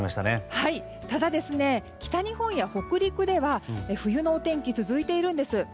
ただ、北日本や北陸では冬のお天気が続いています。